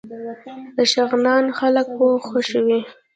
د شغنان خلک پوهه خوښوي